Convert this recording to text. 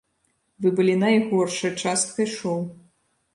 Вы былі найгоршай часткай шоу.